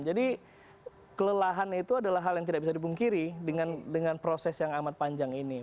jadi kelelahan itu adalah hal yang tidak bisa dipungkiri dengan proses yang amat panjang ini